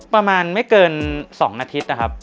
ประมาณไม่เกิน๒นาทีนะครับ